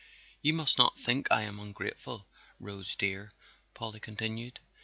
"You must not think I am ungrateful, Rose dear," Polly continued.